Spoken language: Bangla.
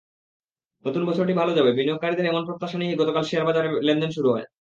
নতুন বছরটি ভালো যাবে—বিনিয়োগকারীদের এমন প্রত্যাশা নিয়েই গতকাল শেয়ারবাজারে লেনদেন শুরু হয়।